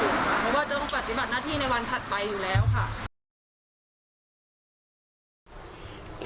เพราะว่าต้องปฏิบัติหน้าที่ในวันถัดไปอยู่แล้วค่ะ